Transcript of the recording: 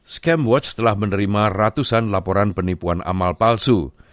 scamwatch telah menerima ratusan laporan penipuan amal palsu